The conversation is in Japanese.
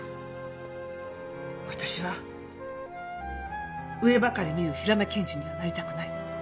私は上ばかり見るヒラメ検事にはなりたくない。